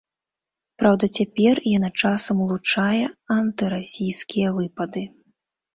Праўда, цяпер яна часам улучае антырасійскія выпады.